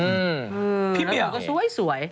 พี่เบียร์แล้วก็สวย